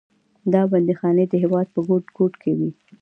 دا بندیخانې د هېواد په ګوټ ګوټ کې وې.